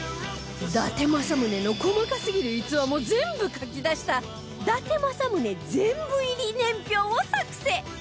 伊達政宗の細かすぎる逸話も全部書き出した伊達政宗全部入り年表を作成